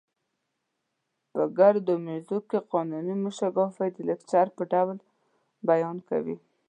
په ګردو میزونو کې قانوني موشګافۍ د لیکچر په ډول وینا کوي.